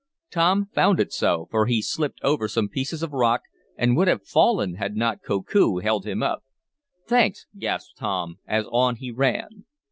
Tom found it so, for he slipped over some pieces of rock, and would have fallen had not Koku held him up. "Thanks," gasped Tom, as on he ran.